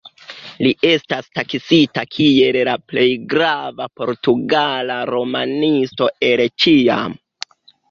Li estas taksita kiel la plej grava portugala romanisto el ĉiam.